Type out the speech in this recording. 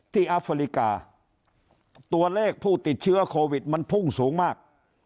อัฟริกาตัวเลขผู้ติดเชื้อโควิดมันพุ่งสูงมาก